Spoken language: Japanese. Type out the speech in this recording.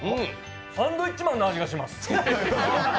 サンドウィッチマンの味がします。